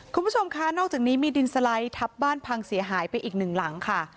คุณผู้ชมคะนอกจากนี้มีดินสไลด์ทับบ้านพังเสียหายไปอีกหนึ่งหลังค่ะ